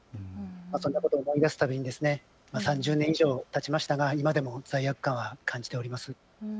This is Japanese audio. そんなことを思い出すたびに３０年以上たちましたが今でも罪悪感は感じております。